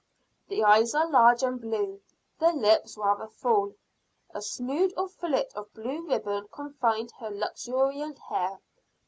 The eyes are large, and blue. The lips rather full. A snood or fillet of blue ribbon confined her luxuriant hair.